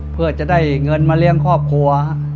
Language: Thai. เพื่อจะได้เงินมาเลี้ยงครอบครัว